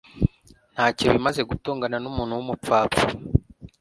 Ntacyo bimaze gutongana numuntu wumupfapfa.